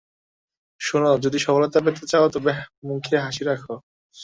শোনো, যদি সফলতা পেতে চাও, তবে মুখে হাসি রাখো।